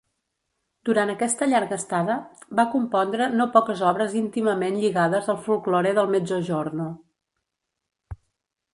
Durant aquesta llarga estada va compondre no poques obres íntimament lligades al folklore del Mezzogiorno.